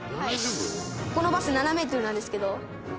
「このバス７メートルなんですけど」